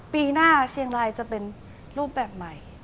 ปีหน้าเชียงรายจะเป็นรูปแบบใหม่